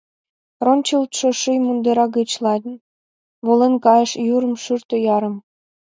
Рончылтшо ший мундыра гыч лач — Волен кайыш йӱрын шӱртӧ ярым…